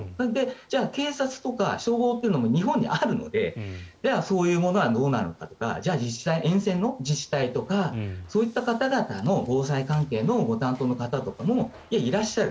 じゃあ警察とか消防も日本にあるのでじゃあそういうものはどうなのかとかじゃあ実際、沿線の自治体とかそういった方々の防災関係のご担当の方とかもいらっしゃる。